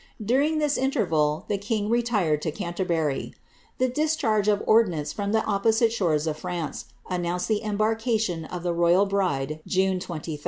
During this in terval the king retired to Canterbury. The discharge of ordnance from the opposite shores of France, announced the embarkation of the royal bride, June 23d.